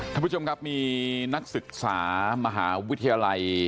ท่านผู้ชมครับมีนักศึกษามหาวิทยาลัย